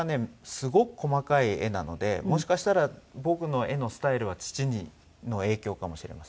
すごく細かい絵なのでもしかしたら僕の絵のスタイルは父の影響かもしれませんね。